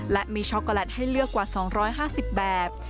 และมีช็อกโกแลตให้เลือกกว่า๒๕๐แบบ